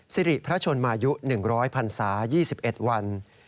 สิริพระชนมายุหนึ่งร้อยพันศายี่สิบเอ็ดวัน